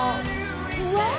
うわ！